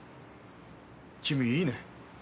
君いいね。